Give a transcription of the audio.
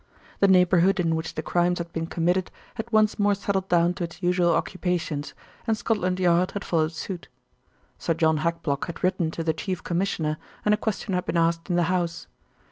The neighbourhood in which the crimes had been committed had once more settled down to its usual occupations, and Scotland Yard had followed suit. Sir John Hackblock had written to the Chief Commissioner and a question had been asked in the House.